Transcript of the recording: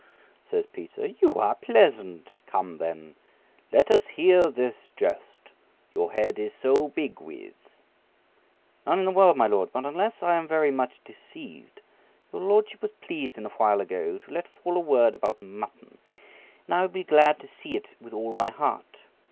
says Peter, "you are pleasant; come then, let us hear this jest your head is so big with." "None in the world, my Lord; but unless I am very much deceived, your Lordship was pleased a while ago to let fall a word about mutton, and I would be glad to see it with all my heart."